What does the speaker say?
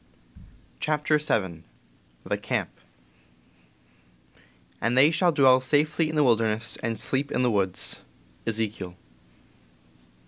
CHAPTER VII THE CAMP "And they shall dwell safely in the wilderness and sleep in the woods. "— Ezekiel.